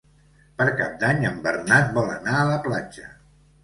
Per Cap d'Any en Bernat vol anar a la platja.